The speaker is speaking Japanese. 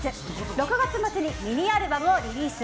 ６月末にミニアルバムをリリース。